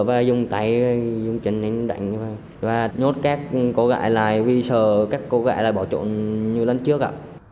và dùng tay dùng chân em đánh và nhốt các cô gái lại vì sợ các cô gái lại bỏ trộn như lần trước ạ